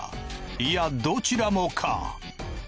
いやどちらもか？